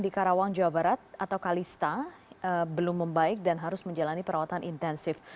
di karawang jawa barat atau kalista belum membaik dan harus menjalani perawatan intensif